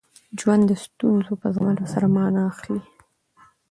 ژوند د ستونزو په زغمولو سره مانا اخلي.